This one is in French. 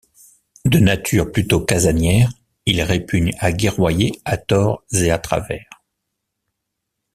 De nature plutôt casanière, il répugne à gerroyer à tort et à travers.